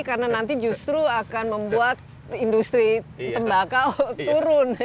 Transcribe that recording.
karena nanti justru akan membuat industri tembaka turun